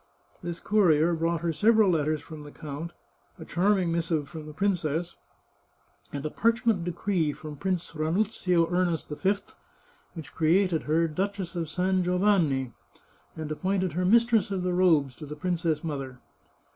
This courier brought her several letters from the count, a charming missive from the princess, and a parchment decree from Prince Ranuzio Ernest V which cre ated her Duchess of San Giovanni, and appointed her Mis tress of the Robes to the Princess Mother.